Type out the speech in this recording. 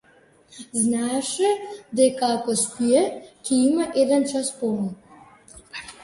Знаеше дека ако спие, ќе има еден час помалку.